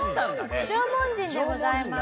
縄文人でございます。